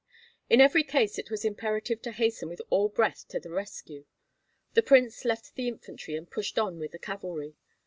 In every case it was imperative to hasten with all breath to the rescue. The prince left the infantry, and pushed on with the cavalry.